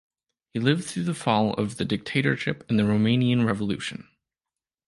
He lived through the fall of the dictatorship and the Romanian Revolution.